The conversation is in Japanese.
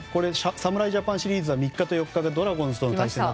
侍ジャパンシリーズは３日、４日とドラゴンズと対戦。